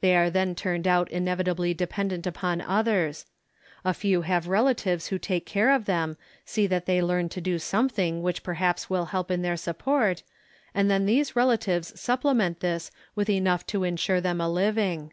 They are then turned out inevitably dependent upon others. A few have relatives who take care of them, see that they learn to do something which perhaps will help in their support, and then these relatives supplement this with enough to insure them a living.